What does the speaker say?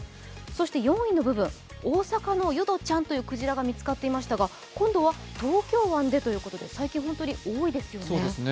４位の部分、大阪のヨドちゃんというクジラが見つかっていましたが今度は東京湾でということで最近本当に多いですよね。